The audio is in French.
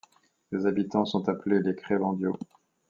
Ses habitants sont appelés les Crevandiaux.